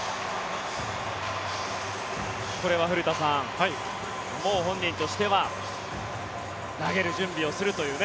これは古田さんもう本人としては投げる準備をするという。